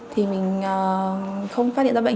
thì mình không phát hiện ra bệnh